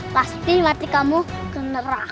pasti mati kamu ke neraka